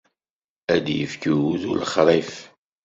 Ad d-yefk ugudu lexṛif.